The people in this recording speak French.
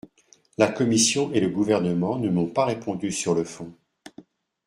La commission et le Gouvernement ne m’ont pas répondu sur le fond.